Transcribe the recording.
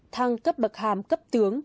thăng cấp bậc hàm cấp tướng